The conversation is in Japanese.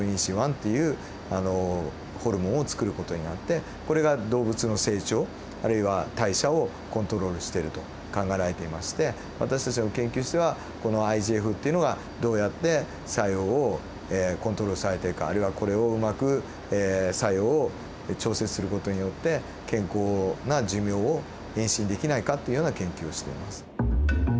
１っていうホルモンをつくる事になってこれが動物の成長あるいは代謝をコントロールしていると考えられていまして私たちの研究室ではこのＩＧＦっていうのがどうやって作用をコントロールされているかあるいはこれをうまく作用を調節する事によって健康な寿命を延伸できないかっていうような研究をしています。